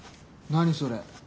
何それ？